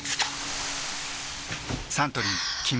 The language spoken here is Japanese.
サントリー「金麦」